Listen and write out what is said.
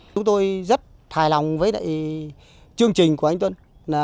chúng tôi rất thài lòng với lại chương trình của anh tuấn